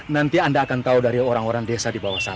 nanti anda akan tahu dari orang orang desa di bawah sana